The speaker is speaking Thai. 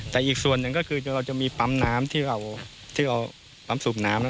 แต่อีกส่วนหนึ่งก็คือเราจะมีปั๊มน้ำที่เราปั๊มสูบน้ำ